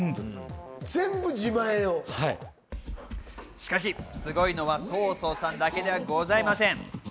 しかし、すごいのはＳＯ−ＳＯさんだけではございません。